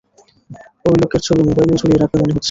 ওই লোকের ছবি মোবাইলেও ঝুলিয়ে রাখবে মনে হচ্ছে।